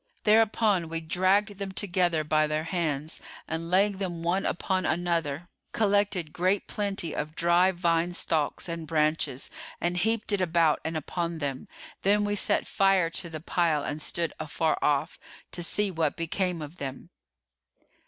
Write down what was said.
Thereupon we dragged them together by their hands and laying them one upon another, collected great plenty of dry vine stalks and branches and heaped it about and upon them: then we set fire to the pile and stood afar off, to see what became of them."